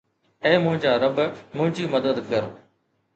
اي منهنجا رب، منهنجي مدد ڪر